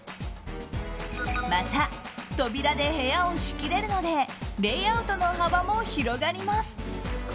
また、扉で部屋を仕切れるのでレイアウトの幅も広がります。